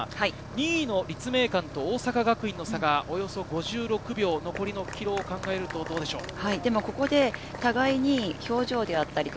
２位の立命館と大阪学院の差がおよそ５６秒、残りのキロを考えるとどうでしょうか？